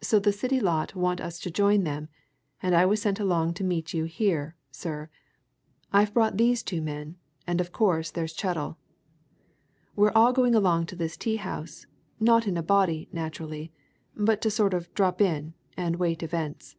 So the City lot want us to join them, and I was sent along to meet you here, sir I've brought those two men and of course there's Chettle. We're all to go along to this tea house, not in a body, naturally, but to sort of drop in, and to wait events.